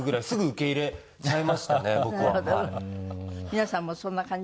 皆さんもそんな感じ？